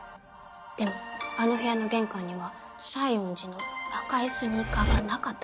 でもあの部屋の玄関には西園寺の赤いスニーカーがなかった。